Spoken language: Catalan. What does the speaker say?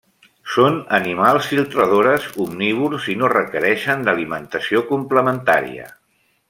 Són animals filtradores omnívors i no requereixen alimentació complementària.